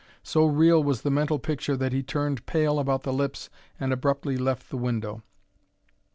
So real was the mental picture that he turned pale about the lips and abruptly left the window.